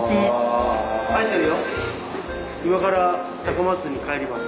今から高松に帰ります。